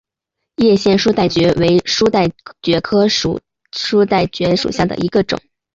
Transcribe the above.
线叶书带蕨为书带蕨科书带蕨属下的一个种。